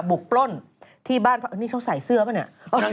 ปล้นที่บ้านนี่เขาใส่เสื้อป่ะเนี่ย